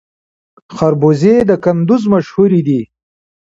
خربوزې د کندز مشهورې دي